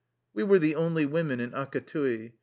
We were the only women in Akatui.